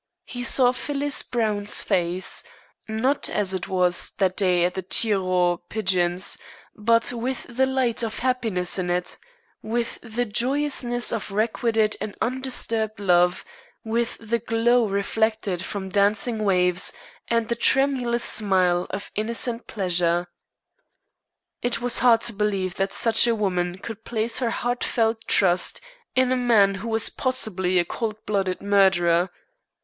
He saw Phyllis Browne's face, not as it was that day at the Tir aux Pigeons, but with the light of happiness in it, with the joyousness of requited and undisturbed love, with the glow reflected from dancing waves, and the tremulous smile of innocent pleasure. It was hard to believe that such a woman could place her heartfelt trust in a man who was possibly a cold blooded murderer.